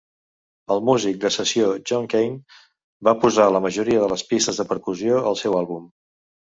El músic de sessió John Keane va posar la majoria de les pistes de percussió del seu àlbum.